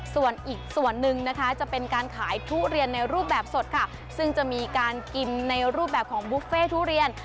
ส่วนอีกส่วนหนึ่งนะคะจะเป็นการขายทุเรียนในรูปแบบสดค่ะซึ่งจะมีการกินในรูปแบบของบุฟเฟ่ทุเรียน